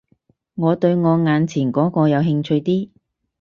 我對我眼前嗰個有興趣啲